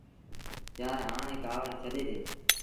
يآر هآڻي ڪآوڙ ڇڏي ڏي۔